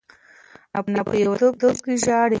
انا په یوازیتوب کې ژاړي.